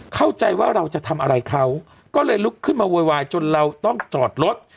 เข้าใจว่าเราจะทำอะไรเขาก็เลยลุกขึ้นมาโวยวายจนเราต้องจอดรถ